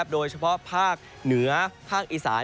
โดยเฉพาะภาคเหนือภาคอีสาน